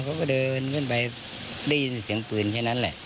เขาก็เดินขึ้นไปได้ยินเสียงปืนแค่นั้นแหละ